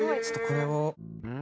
ちょっとこれを。